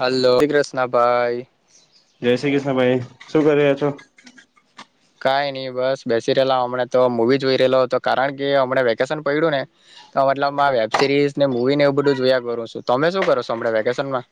Hello જઈ કૃષ્ના ભાઈ. જય શ્રી કૃષ્ણ ભાઈ, શું કરે? [inaudible] કઈ નઈ બસ બેસી રહેલા હમ તો મવી જોઈ રહેલો હતો કારણ કે હમ વેકેશન પડ્યું ને તો મતલબ વેબ સિરીઝ ને મવી ને એ બધું જોયા કરું છું, તમે શું કરો વેકેશન માં?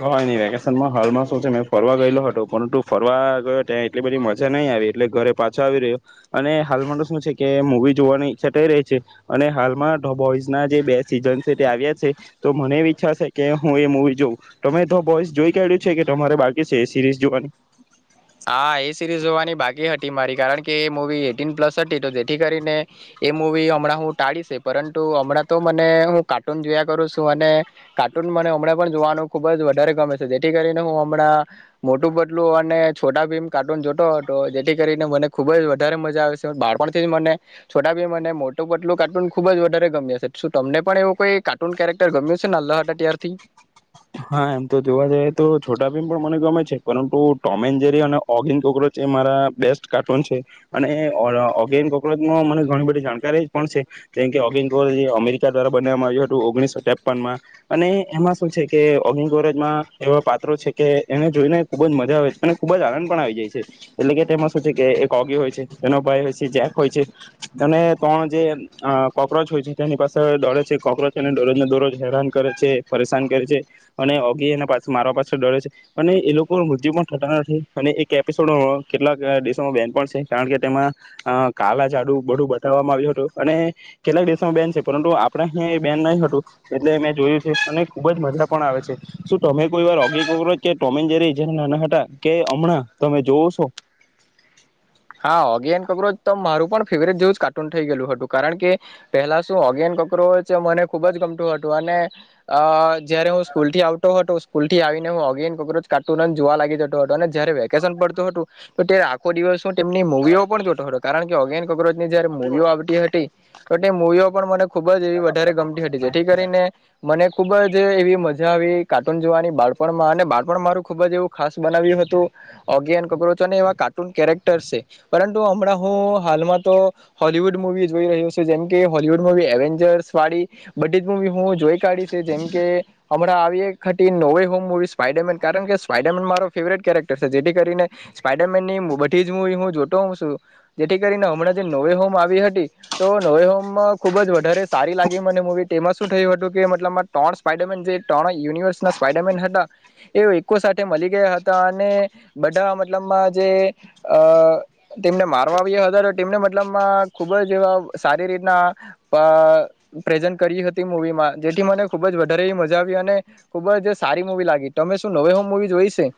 હ નઈ વેકેશનમાં હાલમાં શું છે મેં ફરવા ગયેલો હતો પરંતુ ફરવા ગયો ત્યાં એટલી બધી મજા નઈ આવી એટલે ઘરે પાછો આવી રહ્યો અને હાલમાં તો શું છે કે મવી જોવાની ઈચ્છા થઈ રહી છે અને હાલમાં ધ બોઇસ જે બે સીઝન તે આવ્યા છે તો મને ઇચ્છા છે કે હું એ મુવી જોઉં. તમે તો બોઈસ જોઈ કાઢ્યું છે કે તમારે બાકી છે એ સિરીઝ જોવાની? હા, એ સિરીઝ જોવાની બાકી હતી મારી કારણ કે એ મવી એટીન પ્લસ હતી તો જેથી કરીને એ મવી હમણાં હું ટાળી છે, પરંતુ હમણાં તો મને હું કાર્ટૂન જોયા કરું છું અને કાર્ટૂન મને હમણાં પણ જોવાનું ખુબજ વધારે ગમે છે, જેથી કરીને હું હમણાં મોટું પતલુ અને છોટા ભીમ કાર્ટૂન જોતો હતો, જેથી કરીને મને ખુબ જ વધારે મજા આવે છે. બાળપણથીજ મને છોટા ભીમ અને મોટું પટલું કાર્ટૂન ખુબજ વધારે ગમ્યા છે, શું તમને પણ એવું કોઈ કાર્ટૂન કેરેક્ટર ગમ્યું નાલા હતા, ત્યારથી? હા, એમ તો જોવા જઈએ તો છોટા ભમ પણ મને ગમે છે, પરંતુ ટોમે એન્જરી અને ઓગિન કોકરોચ એ મારા બેસ્ટ કાર્ટૂન છે અને ઓગિન કોકચ મને ઘણી બધી જાણકારી પણ છે જેમકે ઓગિંગ કોકચ અમેરિકા દ્વારા બનાવવામાં આવ્યું હતું ઓગણીસો ત્રેપનમાં અને એમાં શું છે કે ઓગિંગ કોરેજમાં એવા પાત્રો છે કે એને જોઈને ખૂબજ મજા આવે છે અને ખૂબજ આનંદ પણ આવી જાય છે, એટલે કે તેમાં શું છે કે એક ઓગી હોય છે, તેનો ભાઈ હોય છે, જેક હોય છે અને ત્રણ જે કોક્રોચ હોય છે, તેની પાસે દોડે છે કોક્રોચને દોરોજને દોરરોજ હેરાન કરે છે પરેશાન કરે છે અને ઓગી એ પા મારા પાછડ ડોરે છે અને એ લોકો મૃત્યુ પણ થતા નથી અને એક એપિસોડ કેટલાક દેશોમાં બેન પણ છે, કારણ કે તેમાં કાલા જાડુ બડું બતાવામાં આવ્યું હતું અને કેટલાક દેશોમાં બેન છે પરંતુ આપણે બેન નહી હતું એટલે મેં જોયું છે અને ખુબજ મજા આવે છે, શું તમે કોઈ વાર ઓગી કોકરોચ કે ટોમ એન જેરી જય્યારે નાના હતા કે હમણાં તમે જોવો છો? હા, ઓગી એન્ડ કોકરોચ તો મારું પણ ફેવરેટ જેવું જ કાર્ટૂન થઈ ગયલું હતું, કારણ કે પેલા શું ઓગી એન્ડ કોકરોચ મને ખુબજ ગમતું હતું. તુ અને અહ જયારે હું સ્કૂલથી આવતો હતો સ્કૂલથી આવીને હું ઓગી એન કોકરોચ કાર્ટૂન જોવા લાગી જતો હતો અને જયારે વેકેશન પડતું હતું તો ત્યારે આખો દિવસ હું તેમની મુવીઓ પણ જોતો હતો, કારણકે ઓગી એન કોક્રોચ ની જયારે મુવીઓ આવતી હતી તો તે મૂવીઓ પણ મને ખુબજ એવી વધારે ગમતી હતી છે, જેથી કરીને મને ખુબજ એવી મજા આવી કાર્ટૂન જોવાની બાળપણમાં અને બાળપણ મારું ખુબજ એવું ખાસ બનાવ્યું હતું ઓગી એન કોકક્રોચ અને એવા કાર્ટૂન કેરેક ટર છે, પરંતુ હમણાં હું હાલમાં તો હોલવુડ મુવી જોઈ રહ્યો છેું, જેમકે હોલવુડ મુવી એવેન્જર્સ વાળી બધી જ મુવી હું જોઈ કાઢી છે, જેમકે હમણાં આવી એક ખટી નોવે હોમ મુવી સ્પાઈડરમેન કારણ કે સ્પાઈડરમેન મારો ફેવરેટ કેરેક્ટર છે, જેથી કરીને સ્પાઈડરમેનની મોબ તેજ મવી હું જોતો હોઉ છું, જેથી કરીને હમણાં જે નોવે હોમ આવી હતી, તો નોવે હોમમાં ખૂબજ વધારે સારી લાગી મને મૂવી એમાં શું થયું હતું કે મતલબ ટોન સ્પાઈડરમેન જે ટ્રણ યુનિવર્સના સ્પાઈડરમેન હતા, એ એકકો સાથે મળી ગયા હતા અને બધા મતલબમાં જે અ તેમને મારવા આવ્યા હતા તેમને મતલબમાં ખૂબ જ એવા સારી રીતના, પ્રેઝન્ટ કરી હતી મૂવીમાં જેથી મને ખૂબ જ વધારે મજા આવી અને, ખૂબ જ સારી મૂવી લાગી તમે શું નવ હ મૂવી જોઈ છે?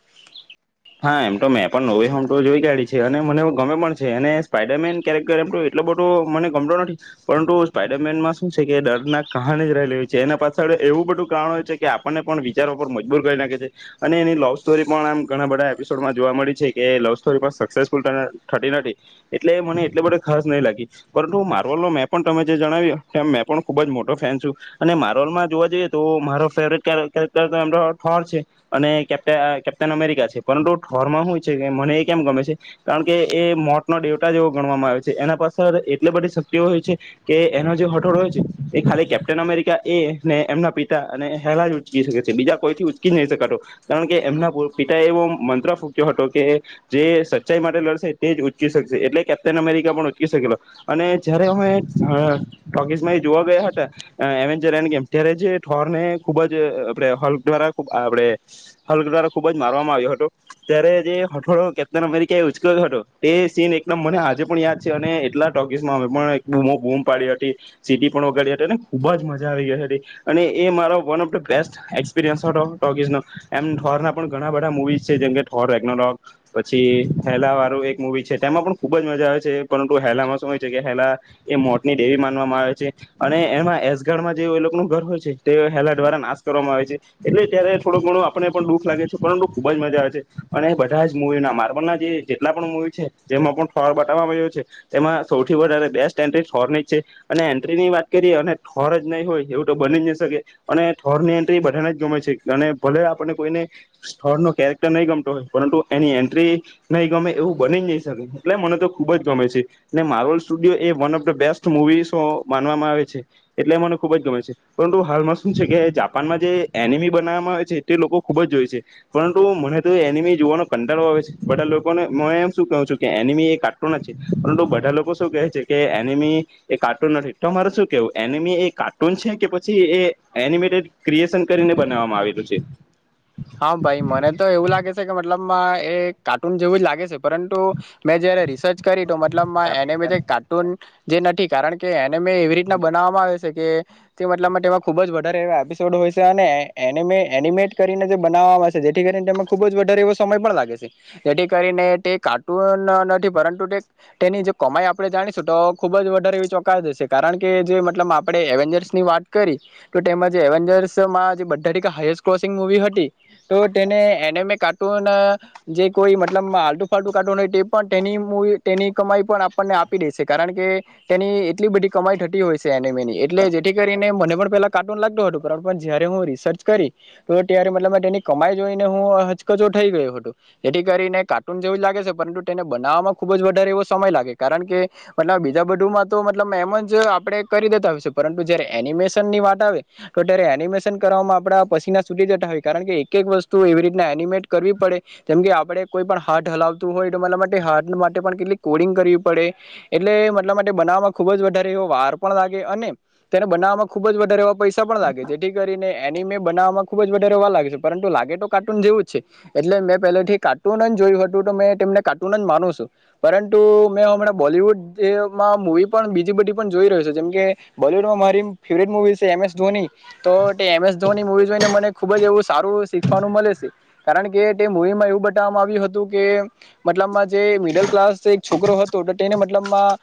હા એમ તો મેં પણ નોવે હોમ તો જોઈ કાઢી છે અને મને ગમે પણ છે અને સ્પાઈડરમેન કેરેક્ટર એમ એટલો બધો મને ગમતો નથી, પરંતુ સ્પાઈડરમેનમાં શું છે કે દર્ ના કહાણે જ રહેલી હોય છે એના પાછળ એવું બધું કારણ હોય છે કે આપણને પણ વિચારો પર મજબૂર કરી નાખે છે, અને એની લવ સ્ટોરી પણ આમ ઘણા બધા સમાં જોવા મળી છે કે લવ સ્ટોરી પણ સક્સેસફુલને થતી નથી, એટલે મને એટલે બધે ખાસ નહી લાગી પરંતુ માર્વલ ન મેં પણ તમે જે જણાવ્યું કે મેં પણ ખુબ જ મોટો ફેન છું, અને માર્વલમાં જોવા જઈએ તો મારો ફેવરેટક ઠોર છે, અને કેપ્ટન અમેરિકા છે. પર ઠરમાં છે મને એ કેમ ગમે છે, કારણ કે એ મોતનો દેવટા જેવો ગણવામાં આવે છે એના પાછળ એટલી બધી શક્તિઓ હોય છે, કે એનો જે હઠોળો હોય છે એ ખાલી કેપ્ટન અમેરિકા એને એમના પિતા અને હેલા જ ઉચકી શકે છે, બીજા કોઈથી ઉચકી જ નહી શકાતો કારણ કે એમના પિતા એવો મંત્ર ફૂક્યો હતો કે, જે સચ્ચાઈ માટે લડશે તે જ ઉંકી શકશે એટલે કેપ્ટન અમેરિકા પણ ઉચકી શકેલો, અને જયારે અમે ટોકીસમાં જોવા ગયા હતા, એવેન્જર એન ગમ ત્યારે જ ઠોરને ખૂબ જ આપ હક દ્વારાબ આપ હક દ્વારા ખૂબ જ મારવામાં આવ્યો હતો. ત્યારે જે હઠોળો કેપ્ટન અમેરિકા એ ઉચક્યો હતો એ સીન એકદમ મને આજે પણ યાદ છે અને એટલા ટોકીસમાં અમે બૂમ પાડી હતી, સીટી પણ ઓગાડી હતી અને ખુબ જ મજા આવી ગઈ, અને એ મારો one of the best experience હતો ટોકીસનો, એમ ઢોરના પણ ઘણા બધા મુવી જેમ કે ઠોર વેગ્નોલોગ, પછી હેલા વાળું એક મુવી છે તેમાં પણ ખુબ જ મજા આવે છે પરંતુ હેલામાં શું હોય છે કે હેલા, એ મોતની ડેરી માનવામાં આવે છે અને એમાં એસગઢમાં જેવ એ લોકો નું ઘર હોય છે તે હેલા દ્વારા નાશ કરવામાં આવે છે, એટલે ત્યારે થોડું ઘણું આપણે પણ દુઃખ લાગે છે પરંતુ મજા આવે અને બધા જ મુૂવીના માર્બલના જે જેટલા પણ મુવી છે જેમાં પણ ઠોર બતાવવાવામાં્યો છે તેમાં સૌથી વધારે બેસ્ટ એન્ટ્રી ઠોરની જ છે અને એન્ટ્રી ની વાત કરીએ અને ઠોર જ નહીં હોય એવું તો બની જ નહી શકે અને ઠોર ની એન્ટ્રી બધાને જ ગમે છે અને ભલે આપને કોઈને થોર ન કેરેક્ટર નહીં ગમતો હોય પરંતુ એની એન્ટ્રી નહીં ગમે એવું બની જ નહી શકે એટલે મને તો ખૂુબ જ ગમે છે ને માર્વોલ સ્ટુડિયો એ one of the best movie show માનવામાં આવે છે એટલે મને ખૂબ જ ગમે છે પરંતુ હાલમાં શું છે કે જાપાનમાં જે એનિમી બનાવવામાં આવે છે તે લોકો ખૂબ જ જોય છે. પરુ મને તો એનિમી જોવાનો કંટારો આવે છે, બધા લોકોને એમ શું કહું છું કે એનિમી એ કાર્ટૂન જ છે, પરંતુ બધા લોકો શું કહે છે કે એનિમી એ કાર્ટૂન નથી તો મારે શું કેવું એનિમી એ કાર્ટૂન છે કે પછી એ એનિમેટેડ ક્રિએશન કરીને બનાવવામાં આવેલું છે? હા ભાઈ મને તો એવું લાગે છે કે મતલબ એ કાર્ટૂન જેવું જ લાગે છે પરંતુ મેં જયારે રિસર્ચ કરી ત મતલબ એને છે કાર્ટૂન જે નથી કારણ કે અને મેં એવી રીતના બનાવવામાં આવ્યો કે, મતબ ખુબ જ વધારે એવા એપિસો હોય છેમેટ જેથી કરીને તે ખુબ જ વધારે એવો સમય પણ લાગે છે, જેથી કરીને તે કાર્ટૂન નથી પરંતુ તેની જે કમાઈ આપણે જાણીશું તો ખુબ જ વધારે એવી ચોકસ હશે કારણ કે જે મતલબ આપણે એવેન્જર્સ ની વાત કરી, તો તેમાં જે એવેન્જર્સમાં જેરો હતી તો તેને એનેમ કાર્ટૂન જે કોઈ મતલબ આલટુ ફાલટુ કાર્ટૂન હોય તે પણ તેની તેની કમાઈ પણ આપને આપી દે છે કારણ કે તેની એટલી બધી કમાઈ થતી હોય છે એનેમે ની એટલે જેથી કરીને મને પણ પેલા કાર્ટૂન લાગતોું હતો જયારે હું રિસર્ચ કરી. તો ત્યારે મતલબ તેની કમાઈ જોઈને હું હચકચો થઈ ગયો હતો, જેથી કરીને કાર્ટૂન જેવું લાગે છે પરંતુ તેને બનાવવામાં ખુબ જ વધારે એવો સમય લાગે કારણ કે, મતલબ બીજા બધુમાં તો મતબ એમ જ આપણે કરી દેતા હોય છે પરંતુ જયારે એનિમેશન ની વાત આવે તો ત્યારે એનિમેશન કરવામાં આપણા પછીના કારણ કે એક એક વસ્તુ એવી રીતના એનિમેટ કરવી પડે, જેમ કે આપડે કોઈ પણ હાર્ટ હલાવતું હોય એટ મતલા માટે હાર્ટ માટે પણ કેટલી કોડિંગ કરવી પડે, એટલે મતલા માટે બનાવવામાં ખૂબ જ વધારે એવો વાર પણ લાગે અને તેને બનાવવામાં ખુબ જ વધારે એવા પૈસા પણ લાગે, જેથી કરીને એનિમે બનાવવામાં ખૂબ જ વધારે રહેવા લાગે છે પરંતુ લાગે તો કાર્ટૂન જેવું જ છે એટલે મેં પહેલેથી કાર્ટુન જ જોયું હતું તો મેં તેમને કાર્ટૂન જ માનું છું પરંતુ મેં હમણાં બોલીવૂડમાં મૂવી પણ બીજી બધી પણ જોઈ રહ્યું છે જેમ કે બોલીવૂડમાં મારી ફેવરેટ મવી છે એમ એસ ધોની તો એ એમ એસ ધોની મુવી મને ખુબ જ એવું સારું શીખવાનું મળે છે, કારણ કે તે મુવીમાં એવું બતાવવામાં આવ્યું હતું કે મતલબમાં જે મિડલ ક્લાસ એક છોકરો હતો તેને મતલબમાં,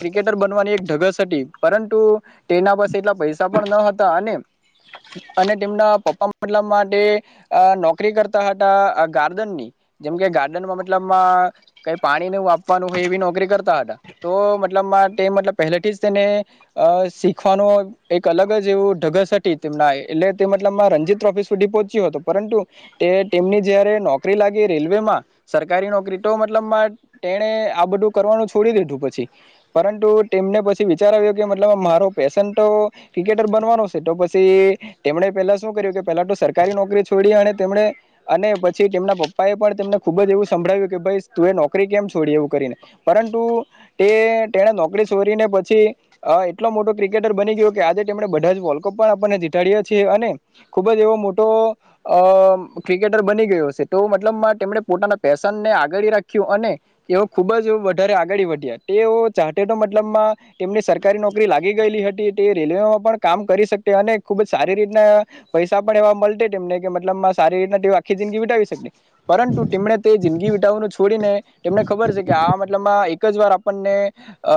ક્રિકેટર બનવાની એક ઢગસ હતી પરંતુ તેના પાસે એટલા પૈસા પણ ન હતા અને અને તેમના પપ્પા મતલબ માટે નોકરી કરતા હતા ગાર્ડન ની જેમકે ગાર્ડનમાં મતલબ મા કઈ પાણી ન વાપવાનું હોય એવી નોકરી કરતા હતા, તો મતલબમાં તે મતલબ માં પહેલાથી જ તેને શીખવાનું એક અલગ જ એવું ઢગસ હતી તેમના. એટ રણજીત ટ્રોફી સુધી પહોંચ્યો હતો પરંતુ તે તેમની જયારે નોકરી લાગી રેલવેમાં સરકારી નોકરી તો મતલબ મા તેણે આ બધું કરવાનું છોડી દીધું પછી, પરંતુ તેમને પછી વિચાર આવ્યો કે મતલબ મા મારો પેશન તો ક્રિકેટર બનવાનો છે તો પછી. તેમણે પેલા શું કર્યું કે પેલા તો સરકારી નોકરી છોડી અને તેમણે અને પછી તેમના પપ્પા એ પણ તેમને ખુબ જ એવું સંભળાવ્યું કે ભાઈ તું એ નોકરી કેમ છોડી એવું કરીને પરંતુ તે તેને નોકરી છોડીને પછી એટલો મોટો. ક્રિકેટર બની ગયો કે આજે તેમણે. બધા વોલ્કપ પણ આપણને જીતાડ્યો. છે અને ખૂબ જ એવો મોટો અ ક્રિકેટર બની ગયો છે, તો મતલબમાં તેમણે પોતાના પેશનને આગળ રાખ્યું અને તેઓ ખુબ જ વધારે આગળ વધ્યા તેઓ ચા તો મતલબમાં તેમની સરકારી નોકરી લાગી ગયેલી હતી તે રેલવેમાં પણ કામ કરી શકકે અને ખૂબ જ. સારી રીતના પૈસા પણ એવા મળ તેમને. કે મતલબમાં સારી રીતના તેઓ આખી જિંદગી વિટાવવી શકે પરંતુ તેમણે તે જિંદી. [unintelligible] છોડીને તેમને ખબર છે કે આ મતલબમાં એક જ વાર આપણને અ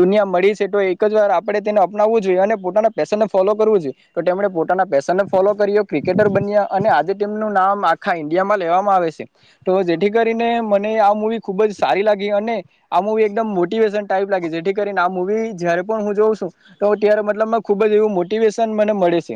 દુનિયા મળી છે, તો એક જ વાર આપણે તેને અપનાવવું જોઈએ અને પોતાના પેશનને ફોલો કરવું જોઈએ. તો તેમણે પોતાના પેશનને ફોલો કર્યો ક્રિકેટર બન્યા અને આજે તેમનું નામ આખા ઈન્ડિયામાં લેવામાં આવે છે તો જેથી કરીને મને આ મૂવી. ખુબ જ સારી લાગી અને. આ મુવી એકદમ મોટિવેશન ટાઈપ લાગે છે જેથી કરીને આ મુવી જયારે પણ હું જોઉં છું તો ત્યારે મતલબ મા ખુબ જ એવું મોટિવેશન. મને મળે છે.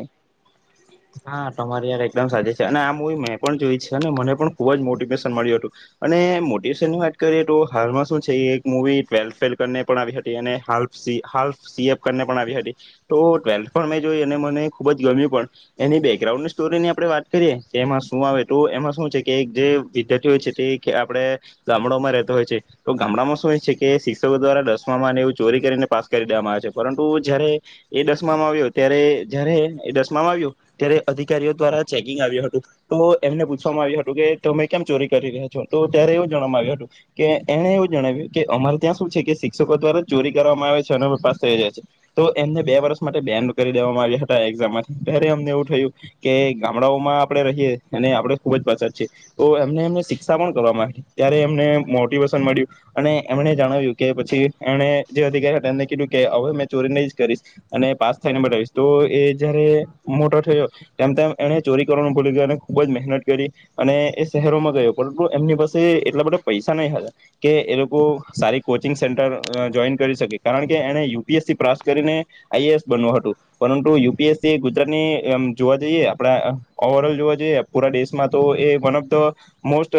હા તમારી યાર એકદમ સાચી છે અને આ મુવી મેં પણ જોઈ છે, અને મને પણ ખુબ જ મોટિવેશન મળ્યું હતું અને મોટિવેશન ની વાત કરીએ તો હાલમાં શું છે એક મવી ટ્વેલ્થ ફેલ કરીને પણ આવી હતી, અને હાલસી, હાલફ સી એફ કરીને પણ આવી હતી તો ટ્વેલ્થ પણ મેં જોઈ અને મને ખુબ જ ગમ્યું પણ. એની બેકગ્રાઉન્ડની સ્ટોરીની આપણે વાત કરીએ કે એમાં શું આવે તો એમાં શું છે કે જે વિદ્યાર્થી હોય છે તે આપે ગામડામાં રહેતો હોય છે, તો ગામડામાં શું એ છે કે શિક્ષકો દ્વારા દસમામાં એવું ચોરી કરીને પાસ કરી દેવામાં આવે છે, પરંતુ જયારે એ દસમામાં આવ્યો ત્યારે જયારે એ દસમામાં આવ્યું. ત્યારે અધિકારીઓ દ્વારા ચેકિંગ આવ્યું હતું તો એમને પૂછવામાં આવ્યું હતું કે તમે કેમ ચોરી કરી રહ્યા છો તો ત્યારે એવું જણવામાં આવ્યું હતું કે એને એવું જણાવ્યું કે અમારે ત્યાં શું છે કે શિક્ષકો દ્વારા ચોરી કરવામાં આવે છે, અને પાસ થયો જાય છે તો એમને બે વર્ષ માટે બેન કરી દેવામાં આવ્યા હતા એક્ઝામ માંથી ત એવું થયું કે ગામડાઓમાં આપણે રહીએ અને આપણે ખુબ જ પછત છીએ, તો એમને એમ શિક્ષા પણ કરવા ત્યારે એમને મોટિવેશન મળ્યું અને એમને જણાવ્યું કે પછી એને જે અધિકારી એને કીધું કે હવે ચોરી નહી કરીશ અને પાસ થઈને બતાવીશ તો એ જ્યારે. મોટો થયો તેમ તેમ એને ચોરી કરવાનું ભૂલી ગયો અને ખુબ જ મહેનત કરી અને એ શહેરોમાં ગયો પરંતુ એમની પાસે એટલા બધા પૈસા નહી હતા કે એ લોકો સારી કોચિંગ સેન્ટર જોઈન કરી શકે કારણ કે એને યુ પી એસ સી પાસ કરીને આઈ એ એસ બનવું હતું પરંતુ યુ પી એસ સી. અતની જોવા જઈએ આપણા ઓવર ઓલ જોવા જઈએ પૂરા દેશમાં તો એ વન ઓફ ધ મોસ્ટ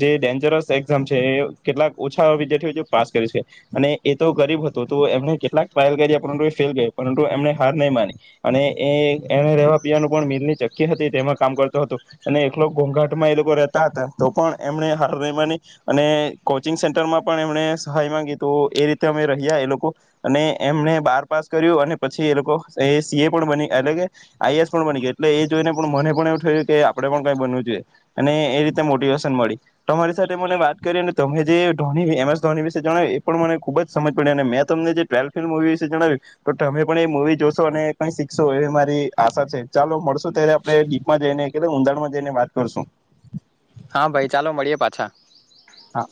જે ડેન્જરસ એક્ઝામ છે, એ કેટલાક ઓછા વિદ્યાર્થીઓ જે પાસ કરી છે અને એ તો ગરીબ હતો તો એમને કેટલાક ટ્રાયલ કર્યા પરંતુ એ ફેલ ગયા પરંતુ એમને હાર નહીં માની અને એ. એને રેવા પીવાનું પણ મિલની ચક્કી હતી તેમાં કામ કરતો હતો, અને એકલો ઘોઘાટમાં એ લોકો રહેતા હતા તો પણ એમને હાર રની અને કોચિંગ સેન્ટરમાં પણ એમણે સહાય માંગી તો એ રીતે અમે રહ્યા એ લોકો અને એમને બાર પાસ કર્યું અને પછી એ લોકો એ સી એ પણ બની એટલે આઈ એસ પણ બની ગઈ એટલે એ જોઈને પણ મને પણ એવું થયું કે આપણેે પણ કઈ બનવું જોઈએ, અને એ રીતે મોટિવેશન મળી તમારી સાથે મને વાત કરી અને તમે જે ધો એમ એસ ધો વિશે જણાવ્યું એ પણ મને ખુબ જ સમજ પડી અને મેં તમને જે ટ્વેલ્થ ફિલ્મ મુવી વિશે જણાવ્યું તો તમે પણ એ મુવી જોશો અને ક શીખશો એ મારી આશા છે. ચાલો મળશો ત્યારે આપડે ડીપમાં જઈ ને. કે ઉંધાણમાં જઈને વાત કરશું. હા, ભાઈ ચાલો મળીએ પાછા. હા.